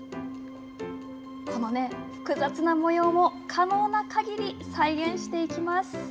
この複雑な模様も可能なかぎり再現していきます。